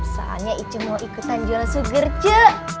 soalnya ije mau ikutan jual sugar cu